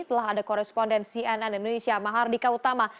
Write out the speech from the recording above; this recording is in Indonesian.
telah ada koresponden cnn indonesia mahardika utama